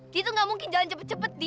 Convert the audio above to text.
dia tuh gak mungkin jalan cepet cepet di